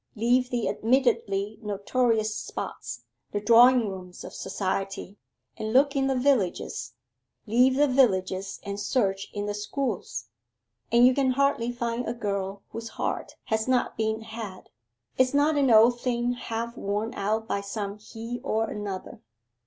Leave the admittedly notorious spots the drawing rooms of society and look in the villages leave the villages and search in the schools and you can hardly find a girl whose heart has not been had is not an old thing half worn out by some He or another!